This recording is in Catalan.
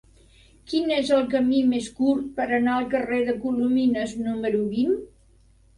Quin és el camí més curt per anar al carrer de Colomines número vint?